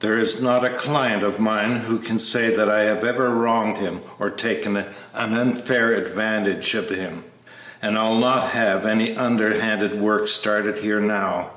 There is not a client of mine who can say that I have ever wronged him or taken an unfair advantage of him, and I'll not have any underhanded work started here now.